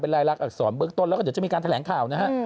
เป็นรายลักษณ์อักษรเบื้องต้นแล้วจะมีการแถลงข่าวนะฮะ